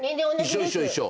一緒一緒一緒。